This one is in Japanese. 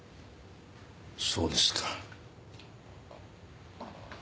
そうですか。